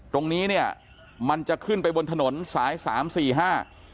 ตรงนี้เนี้ยมันจะขึ้นไปบนถนนสายสามสี่ห้า